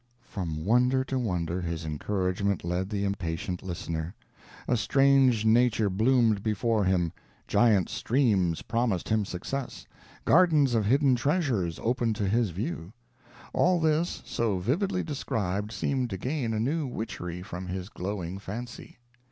From wonder to wonder, his encouragement led the impatient listener. A strange nature bloomed before him giant streams promised him success gardens of hidden treasures opened to his view. All this, so vividly described, seemed to gain a new witchery from his glowing fancy.